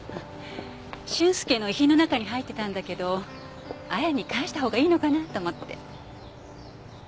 俊介の遺品の中に入ってたんだけど亜矢に返した方がいいのかなと思って